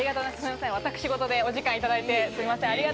私事でお時間いただいて、すいません。